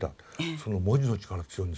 その文字の力強いんですよ。